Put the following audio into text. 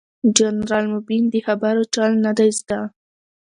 جنرال مبين ده خبرو چل نه دې زده.